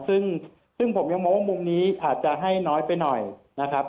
ซึ่งผมยังมองว่ามุมนี้อาจจะให้น้อยไปหน่อยนะครับ